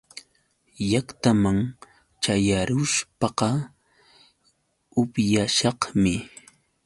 Llaqtaman ćhayarushpaqa upyashaqmi.